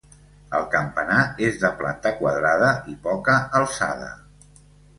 El campanar és de planta quadrada i poca alçada.